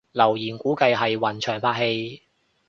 留言估計係雲翔拍戲